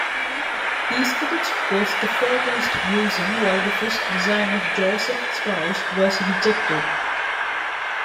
Aesthetics was the foremost reason why the first design of Joseph Strauss was rejected.